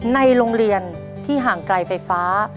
ในโรงเรียนที่ห่างไกลไฟฟ้า